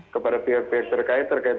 kepada pihak pihak terkait